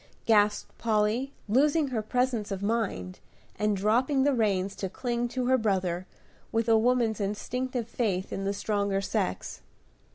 gasped Polly, losing her presence of mind, and dropping the reins to cling to her brother, with a woman's instinctive faith in the stronger sex.